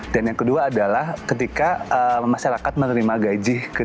dan yang kedua adalah ketika masyarakat menerima gaji ke tiga belas